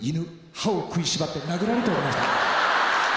歯を食いしばって殴られておりました。